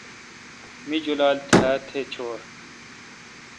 مہ جولال تھال تھ چور